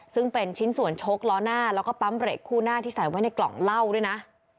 ซึ่งเป็นชิ้นส่วนชกล้อหน้าแล้วก็ปั๊มเบรกคู่หน้าที่ใส่ไว้ในกล่องเหล้าด้วยนะ